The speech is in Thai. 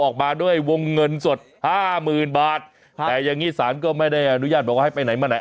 ออกมาด้วยวงเงินสดห้าหมื่นบาทค่ะแต่อย่างนี้สารก็ไม่ได้อนุญาตบอกว่าให้ไปไหนมาไหน